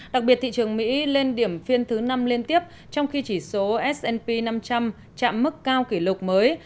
đặc biệt thị trường mỹ lên điểm phiên thứ năm liên tiếp trong khi chỉ số s p năm trăm linh chạm mức cao kỷ lục mới